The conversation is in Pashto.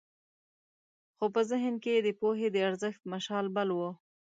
خو په ذهن کې یې د پوهې د ارزښت مشال بل و.